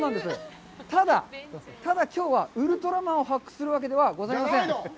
ただ、きょうはウルトラマンを発掘するわけではございません。